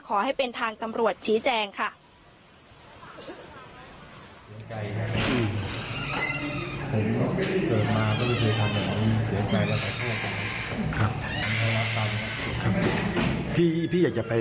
ขอให้เป็นทางตำรวจชี้แจงค่ะ